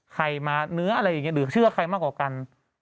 ใครมาเนื้ออะไรอย่างนี้หรือเชื่อใครมากกว่ากัน